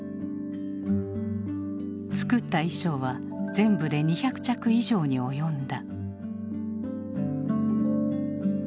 作った衣装は全部で２００着以上に及んだ。